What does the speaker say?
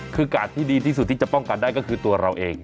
คือกาดที่ดีที่สุดที่จะป้องกันได้ก็คือตัวเราเอง